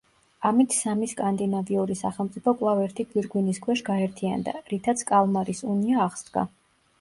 ამით სამი სკანდინავიური სახელმწიფო კვლავ ერთი გვირგვინის ქვეშ გაერთიანდა, რითაც კალმარის უნია აღსდგა.